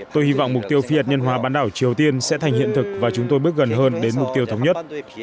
tôi hy vọng mục tiêu phi hạt nhân hóa bán đảo triều tiên sẽ thành hiện thực và chúng tôi bước gần hơn đến mục tiêu thống nhất